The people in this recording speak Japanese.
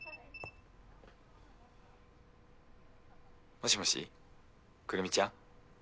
もしもしくるみちゃん？